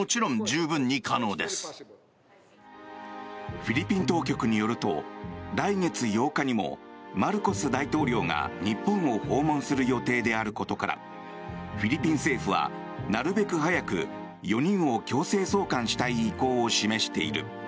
フィリピン当局によると来月８日にもマルコス大統領が、日本を訪問する予定であることからフィリピン政府はなるべく早く４人を強制送還したい意向を示している。